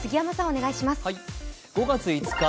お願いします。